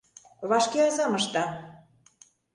Вашке азам ышта...